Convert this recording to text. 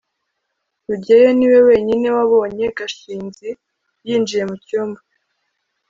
rugeyo niwe wenyine wabonye gashinzi yinjiye mucyumba